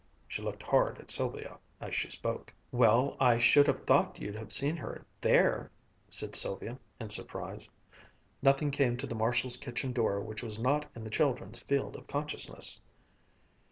She looked hard at Sylvia as she spoke. "Well, I should have thought you'd have seen her there!" said Sylvia in surprise. Nothing came to the Marshalls' kitchen door which was not in the children's field of consciousness.